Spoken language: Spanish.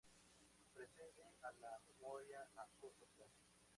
Precede a la memoria a corto plazo.